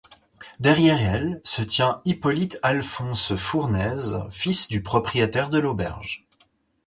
Derrière elle, se tient Hippolyte-Alphonse Fournaise, fils du propriétaire de l'auberge.